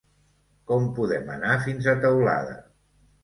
Com podem anar fins a Teulada?